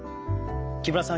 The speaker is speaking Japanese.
木村さん